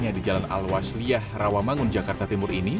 yang di jalan al wasliyah rawamangun jakarta timur ini